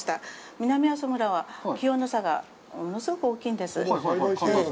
南阿蘇村は、気温の差が物すごく大きいんです。